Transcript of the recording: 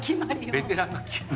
ベテランが。